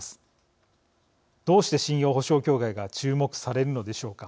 どうして信用保証協会が注目されるのでしょうか。